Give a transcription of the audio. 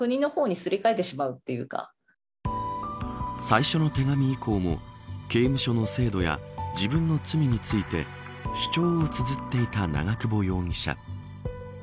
最初の手紙以降も刑務所の制度や自分の罪について主張をつづっていた長久保容疑者。